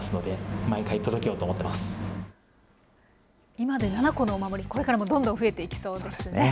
今で７個のお守り、これからもどんどん増えていきそうですね。